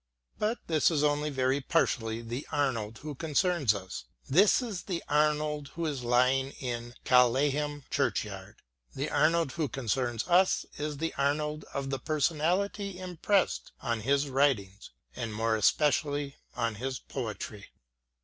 But this is only very partially the Arnold who concerns us ; this is the Arnold who is lying in Laleham Churchyard. The Arnold who concerns us is the Arnold of the personality impressed on his writings, and more especially on his poetry.